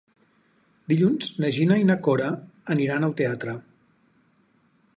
Dilluns na Gina i na Cora aniran al teatre.